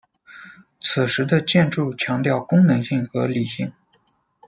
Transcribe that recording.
此时的建筑强调功能性和理性。